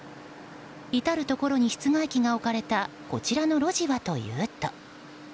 至るところに室外機が置かれたこちらの路地はというと。